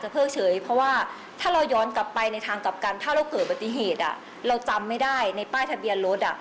ถ้าเราเกิดปฏิเหตุเราจำไม่ได้ในป้ายทะเบียนรถ